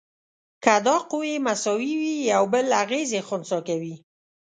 که دا قوې مساوي وي یو بل اغیزې خنثی کوي.